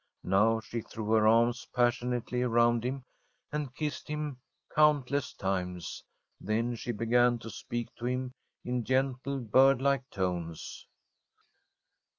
Now she threw her arms pas sionately around him and kissed him countless times. Then she began to speak to him in gentle, bird like tones.